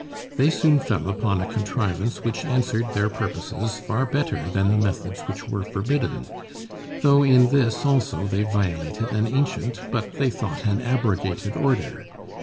They soon fell upon a contrivance which answered their purposes far better than the methods which were forbidden; though in this also they violated an ancient, but they thought an abrogated, order.